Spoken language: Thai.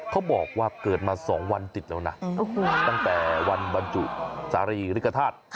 เขาบอกว่าเกิดมา๒วันติดแล้วนะตั้งแต่วันบรรจุสารีริกฐาตุ